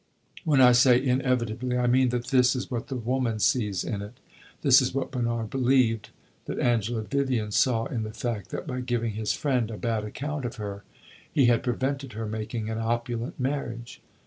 When I say "inevitably," I mean that this is what the woman sees in it. This is what Bernard believed that Angela Vivian saw in the fact that by giving his friend a bad account of her he had prevented her making an opulent marriage.